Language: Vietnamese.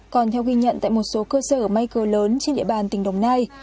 còn theo ghi nhận tại một số cơ sở may cờ lớn trên địa bàn tỉnh đồng nai